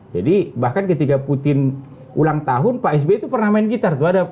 jadi bahkan ketika putin ulang tahun pak sby itu pernah main gitar